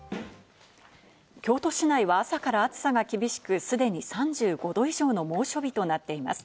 京都市内は朝から暑さが厳しく既に３５℃以上の猛暑日となっています。